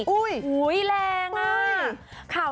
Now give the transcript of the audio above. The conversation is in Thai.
อุ้ยแรงอ่ะ